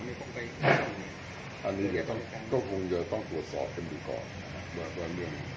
อันนี้ก็คงจะต้องปรวดสอบกันดูก่อนนะครับ